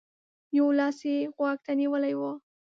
يو لاس يې غوږ ته نيولی و.